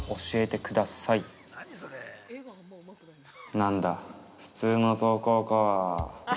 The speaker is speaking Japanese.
（なんだ、普通の投稿か。